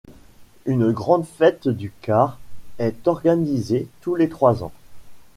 Une grande Fête du Car est organisée tous les trois ans.